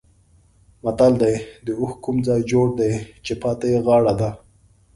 متل دی: د اوښ کوم ځای جوړ دی چې پاتې یې غاړه ده.